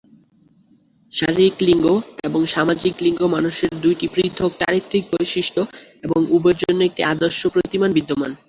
শারীরিক লিঙ্গ এবং সামাজিক লিঙ্গ মানুষের দুটি পৃথক চারিত্রিক বৈশিষ্ট্য এবং উভয়ের জন্য একটি আদর্শ প্রতিমান বিদ্যমান।